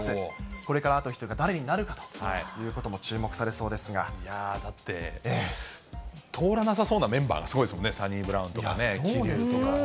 これからあと１人が誰になるかといやー、だって、通らなさそうなメンバーがすごいですよね、サニブラウンとか、桐生とかね。